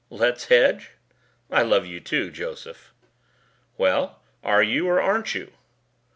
"Let's hedge? I love you too, Joseph." "Well, are you or aren't you?"